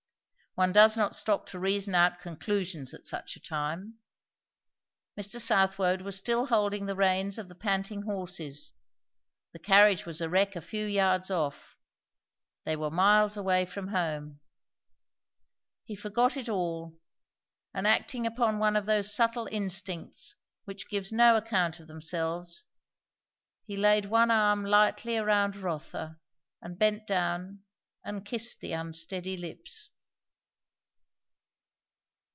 One does not stop to reason out conclusions at such a time. Mr. Southwode was still holding the reins of the panting horses, the carriage was a wreck a few yards off, they were miles away from home; he forgot it all, and acting upon one of those subtle instincts which give no account of themselves, he laid one arm lightly around Rotha and bent down and kissed the unsteady lips.